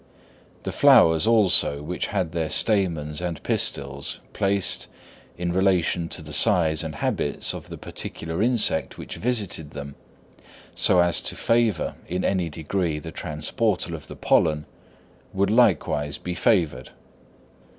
The flowers, also, which had their stamens and pistils placed, in relation to the size and habits of the particular insect which visited them, so as to favour in any degree the transportal of the pollen, would likewise be favoured.